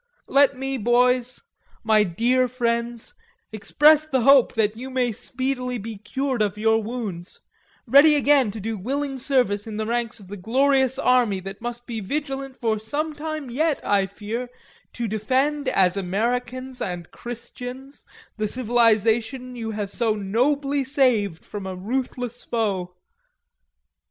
Let me, boys, my dear friends, express the hope that you may speedily be cured of your wounds, ready again to do willing service in the ranks of the glorious army that must be vigilant for some time yet, I fear, to defend, as Americans and Christians, the civilization you have so nobly saved from a ruthless foe....